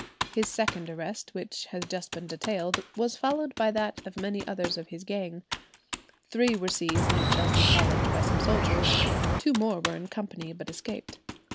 His second arrest, which has just been detailed, was followed by that of many others of his gang. Three were seized near Chelsea College by some soldiers; two more were in company, but escaped.